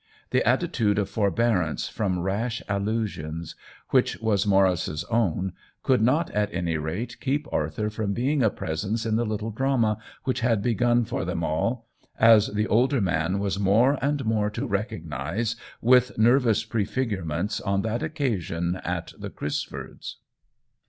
The attitude of for bearance from rash allusions, which was Maurice's own, could not at any rate keep Arthur from being a presence in the little drama which had begun for them all, as the older man was more and more to recognize with nervous prefigurements on that occa sion at the Crisford's.